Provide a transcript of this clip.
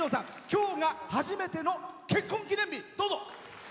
今日が初めての結婚記念日！